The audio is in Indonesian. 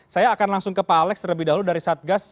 saya akan langsung ke pak alex terlebih dahulu dari satgas